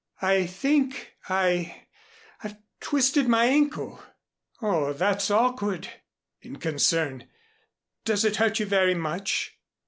"I think I I've twisted my ankle." "Oh, that's awkward," in concern. "Does it hurt you very much?"